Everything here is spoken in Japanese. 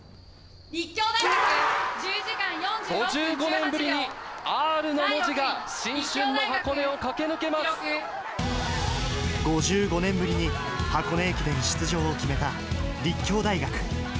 ５５年ぶりにＲの文字が新春５５年ぶりに、箱根駅伝出場を決めた立教大学。